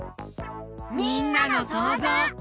みんなのそうぞう。